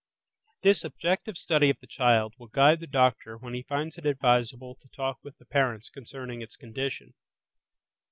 This objective study of the child will guide the doctor when he finds it advisable to talk with the parents concerning its condition.